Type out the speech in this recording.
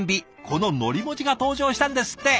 こののり文字が登場したんですって。